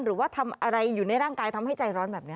หรือว่าทำอะไรอยู่ในร่างกายทำให้ใจร้อนแบบนี้